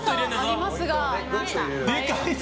でかいぞ！